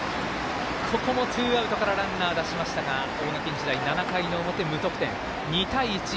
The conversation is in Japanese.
ここもツーアウトからランナー出しましたが大垣日大、７回の表、無得点。